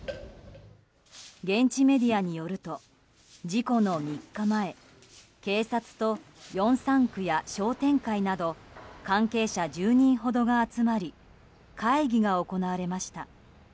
現地メディアによると事故の３日前警察とヨンサン区や商店会など関係者１０人ほどが集まり会議が行われました。